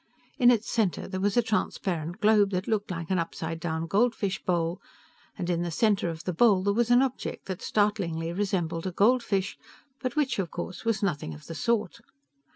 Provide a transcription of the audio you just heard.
In its center there was a transparent globe that looked like an upside down goldfish bowl, and in the center of the bowl there was an object that startlingly resembled a goldfish, but which, of course, was nothing of the sort.